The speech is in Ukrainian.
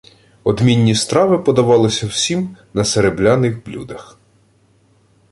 «Одмінні страви подавалися всім на серебляних блюдах.